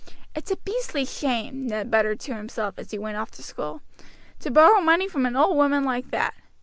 "It's a beastly shame," Ned muttered to himself as he went off to school, "to borrow money from an old woman like that.